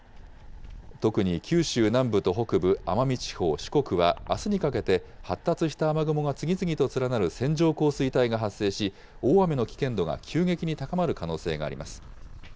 特に九州南部と北部、奄美地方、四国は、あすにかけて発達した雨雲が次々と連なる線状降水帯が発生し、大雨の危険度が急激に高まる可能性があります。